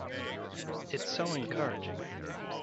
It’s so encouraging.